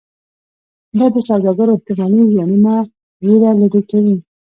دا د سوداګرو احتمالي زیانونو ویره لرې کوي.